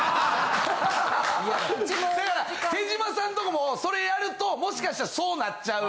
だから手島さんとこもそれやるともしかしたらそうなっちゃう。